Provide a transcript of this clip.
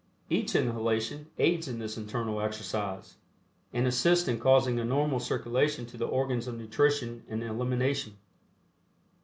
Each inhalation aids in this internal exercise, and assists in causing a normal circulation to the organs of nutrition and elimination.